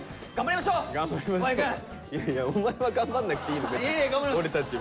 いやいやお前は頑張んなくていいの別に俺たちは。